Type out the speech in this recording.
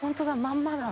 まんまだ。